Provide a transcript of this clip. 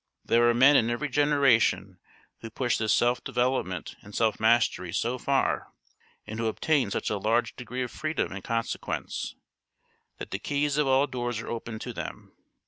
There are men in every generation who push this self development and self mastery so far, and who obtain such a large degree of freedom in consequence, that the keys of all doors are open to them.